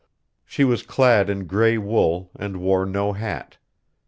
She was clad in gray wool, and wore no hat.